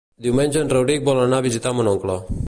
Diumenge en Rauric vol anar a visitar mon oncle.